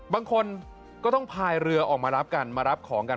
บางคนก็ต้องพายเรือออกมารับกันมารับของกัน